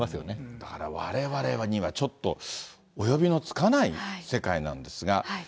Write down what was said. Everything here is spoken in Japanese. だから、われわれにはちょっとおよびのつかない世界なんですが。